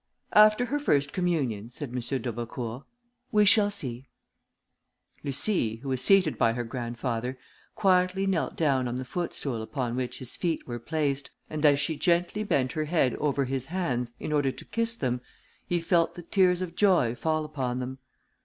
"After her first communion," said M. d'Aubecourt, "we shall see." Lucie, who was seated by her grandfather, quietly knelt down on the footstool upon which his feet were placed, and as she gently bent her head over his hands, in order to kiss them, he felt the tears of joy fall upon them.